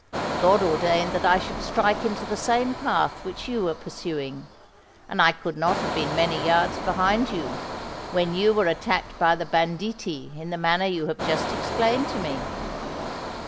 God ordained that I should strike into the same path which you were pursuing; and I could not have been many yards behind you, when you were attacked by the banditti in the manner you have just explained to me.